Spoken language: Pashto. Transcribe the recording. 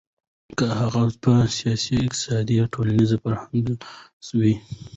که هغه په سياسي، اقتصادي ،ټولنيز، فرهنګي لحاظ وي .